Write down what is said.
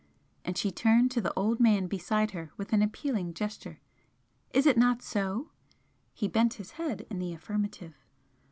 And she turned to the old man beside her with an appealing gesture "Is it not so?" He bent his head in the affirmative.